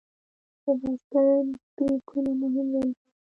د بایسکل بریکونه مهم رول لري.